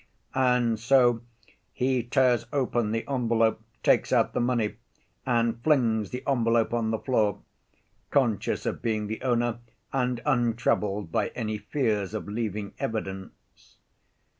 And so he tears open the envelope, takes out the money, and flings the envelope on the floor, conscious of being the owner and untroubled by any fears of leaving evidence.